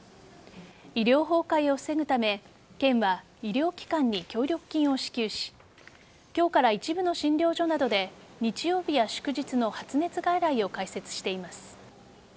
医療崩壊を防ぐため県は医療機関に協力金を支給し今日から一部の診療所などで日曜日や祝日の発熱外来を開設しています。